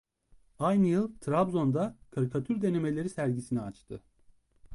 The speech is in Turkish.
Aynı yıl Trabzon'da "Karikatür Denemeleri" sergisini açtı.